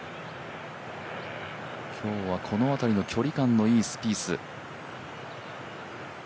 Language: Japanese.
今日はこの辺りの距離感のいいスピース。